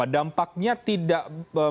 dampaknya tidak menciptakan restaukasi